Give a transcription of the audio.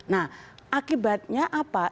nah akibatnya apa